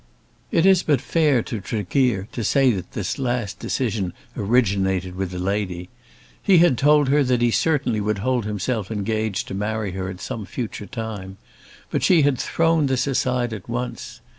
It is but fair to Tregear to say that this last decision originated with the lady. He had told her that he certainly would hold himself engaged to marry her at some future time; but she had thrown this aside at once.